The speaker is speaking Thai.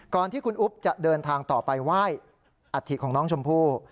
ก่อนที่คุณอุ๊บจะเดินทางต่อไปไหว้อัฐิของน้องชมพู่